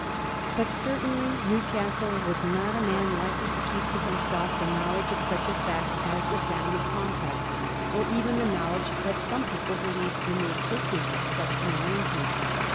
*' But certainly Newcas tle was not a man likely to keep to himself the knowledge of such a fact as the family compact, or even the knowl edge that some people believed in the existence of such an arrangement.